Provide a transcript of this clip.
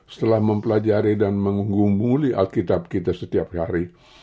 setelah mempelajari dan mengungguli alkitab kita setiap hari